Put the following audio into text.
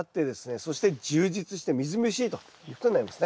そして充実してみずみずしいということになりますね。